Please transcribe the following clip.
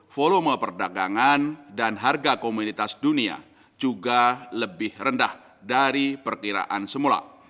volume perdagangan dan harga komoditas dunia juga lebih rendah dari perkiraan semula